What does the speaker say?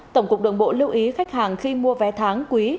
tổng cục đường bộ lưu ý khách hàng khi mua vé tháng quý